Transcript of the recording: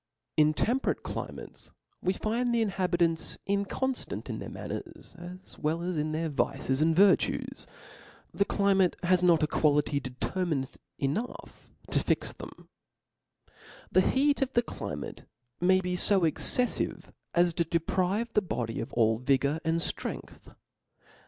In temperate climates we find the inha bitants inconftant in their manners, as well as in their vices and virtues : the climate has not a qua lity determinate enough to fix them, * The heat of the climate may be fo exceflivc aj to deprive the body of all vigor and ftrength. Then OF LAWS.